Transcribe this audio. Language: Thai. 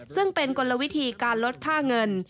ซึ่งเป็นกลวิธีการลดค่าเงิน